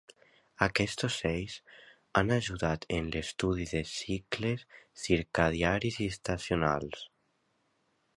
Aquests ocells han ajudat en l'estudi de cicles circadiaris i estacionals.